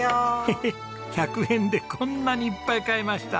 ヘヘ１００円でこんなにいっぱい買えました。